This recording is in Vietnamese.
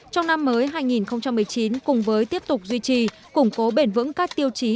trong năm mới hai nghìn một mươi chín cùng với tiếp tục duy trì củng cố bền vững các tiêu chí